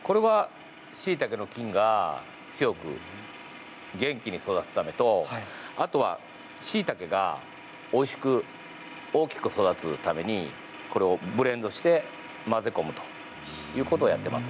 しいたけの菌が強く元気に育つためとあとは、しいたけがおいしく大きく育つためにこれをブレンドして混ぜ込むということをやっています。